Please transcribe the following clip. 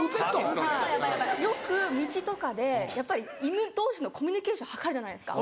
よく道とかでやっぱり犬同士のコミュニケーション図るじゃないですか